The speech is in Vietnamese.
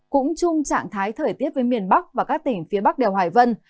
cũng chung trạng thái thời tiết với miền bắc và các tỉnh phía bắc đều hoài vân